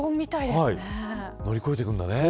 乗り越えていくんだね。